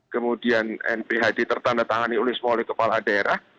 kemudian nphd tertanda tangani oleh semua kepala daerah